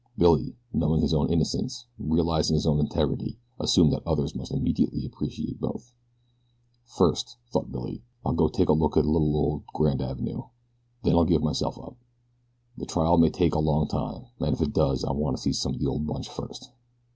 Billy, knowing his own innocence, realizing his own integrity, assumed that others must immediately appreciate both. "First," thought Billy, "I'll go take a look at little old Grand Ave., then I'll give myself up. The trial may take a long time, an' if it does I want to see some of the old bunch first."